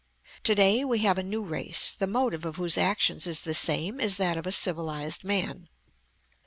To day we have a new race, the motive of whose actions is the same as that of a civilized man.